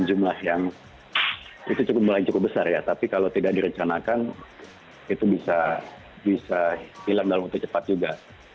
jumlah yang itu mulai cukup besar ya tapi kalau tidak direncanakan itu bisa hilang dalam waktu cepat juga